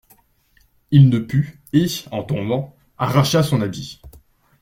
Il ne put, et, en tombant, arracha son habit.